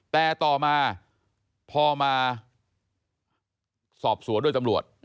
แต่ต่อมาพอมาสอบสวนโดยตำรวจ